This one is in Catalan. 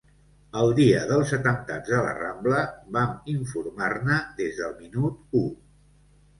El dia dels atemptats de la Rambla vam informar-ne des del minut u.